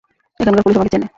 এখানকার পুলিশ আমাকে চেনে।